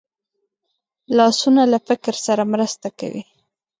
لاسونه له فکر سره مرسته کوي